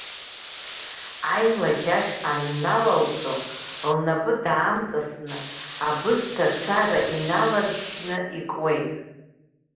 Аилаџь ашә анналалҵо, лнапы даамҵасны, абысҭа цара иналаршьшьны икуеит.